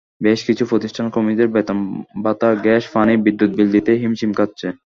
বেশ কিছু প্রতিষ্ঠান কর্মীদের বেতন-ভাতা, গ্যাস, পানি, বিদ্যুৎ বিল দিতেই হিমশিম খাচ্ছে।